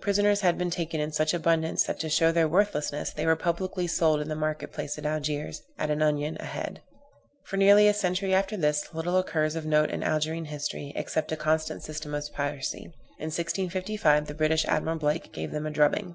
Prisoners had been taken in such abundance, that to show their worthlessness, they were publicly sold in the market place at Algiers, at an onion a head. For nearly a century after this, little occurs of note in Algerine history except a constant system of piracy. In 1655 the British Admiral Blake gave them a drubbing.